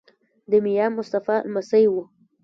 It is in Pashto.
د میا مصطفی لمسی وو.